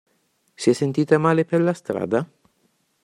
Si è sentita male per la strada?